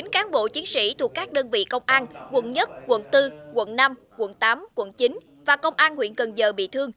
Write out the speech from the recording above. một mươi cán bộ chiến sĩ thuộc các đơn vị công an quận một quận bốn quận năm quận tám quận chín và công an huyện cần giờ bị thương